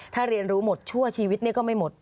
ถ้าเรียนรู้หมดชั่วชีวิตก็ไม่หมด